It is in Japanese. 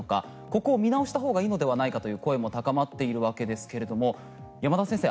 ここを見直したほうがいいのではないかという声も高まっているわけですけども山田先生